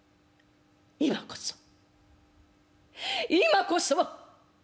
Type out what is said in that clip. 今こそ今こそ！